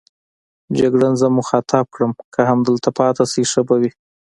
جګړن زه مخاطب کړم: که همدلته پاتې شئ ښه به وي.